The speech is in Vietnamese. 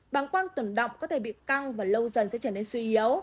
bảng quang tuần động có thể bị căng và lâu dần sẽ trở nên suy yếu